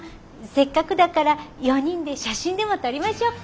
せっかくだから４人で写真でも撮りましょうか。